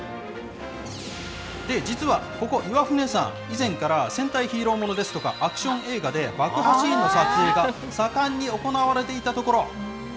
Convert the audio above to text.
実は、ここ岩船山、以前から戦隊ヒーローものですとか、アクション映画で爆破シーンの撮影が盛んに行われていたところ。